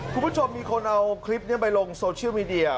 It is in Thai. คุณผู้ชมมีคนเอาคลิปนี้ไปลงโซเชียลมีเดีย